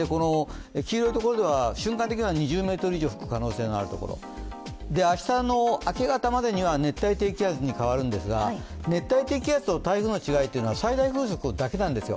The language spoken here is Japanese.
黄色い所では瞬間的には２０メートル以上吹くところ、明日の明け方までには熱帯低気圧に変わるんですが熱帯低気圧と台風の違いというのは最大風速だけなんですよ。